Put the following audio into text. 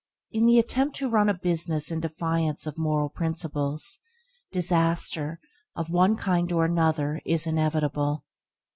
In the attempt to run a business in defiance of moral principles, disaster, of one kind or another, is inevitable.